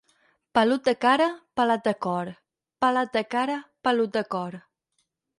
Pelut de cara, pelat de cor; pelat de cara, pelut de cor.